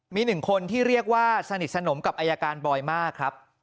มีหนึ่งคนที่เรียกว่าสนิทสนมกับอายการบอยมากครับ